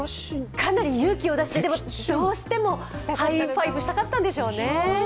かなり勇気を出して、でも、どうしてもハイタッチしたかったんでしょうね。